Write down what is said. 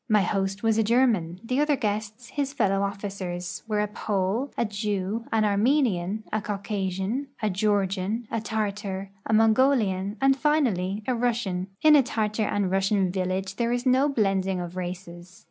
My host was a German; the other guests, his fellow officers, were a Pole, a Jew, an Armenian, a Caucasian, a Georgian, a Tartar, a Mongolian, and, finally, a Russian, In a Tartar and Russian village there is no blending of races.